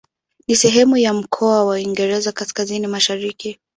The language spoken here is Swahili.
Ni sehemu ya mkoa wa Uingereza Kaskazini-Mashariki.